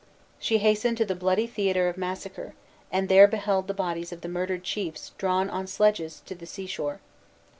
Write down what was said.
She hastened to the bloody theater of massacre; and there beheld the bodies of the murdered chiefs drawn on sledges to the seashore.